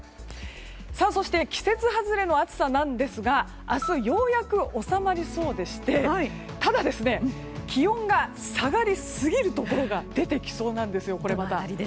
そして季節外れの暑さなんですが明日ようやく収まりそうでしてただ、気温が下がりすぎるところが出てきそうなんですよ。